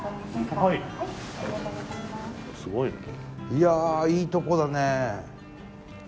いやいいとこだね。